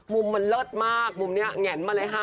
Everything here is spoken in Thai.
มุมมันเลิศมากมุมนี้แห่นมาเลยค่ะ